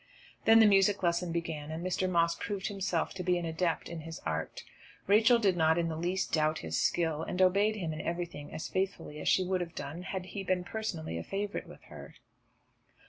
Then the music lesson began, and Mr. Moss proved himself to be an adept in his art. Rachel did not in the least doubt his skill, and obeyed him in everything as faithfully as she would have done, had he been personally a favourite with her.